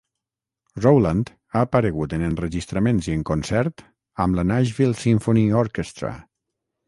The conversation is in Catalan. Rowland ha aparegut en enregistraments i en concert amb la Nashville Symphony Orchestra.